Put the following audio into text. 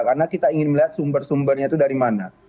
karena kita ingin melihat sumber sumbernya itu dari mana